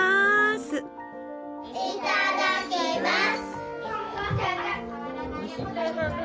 いただきます！